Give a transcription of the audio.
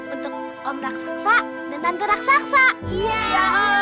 untuk om raksasa dan tante raksasa